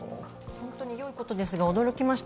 本当によいことですが驚きました。